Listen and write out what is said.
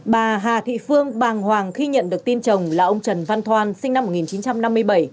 bà hà thị phương bàng hoàng khi nhận được tin chồng là ông trần văn thoan sinh năm một nghìn chín trăm năm mươi bảy